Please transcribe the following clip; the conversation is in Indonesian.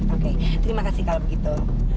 oke terima kasih kalau begitu